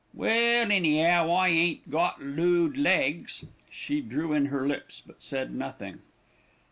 "Well, any'ow, I ain't got lood legs." She drew in her lips; but said nothing.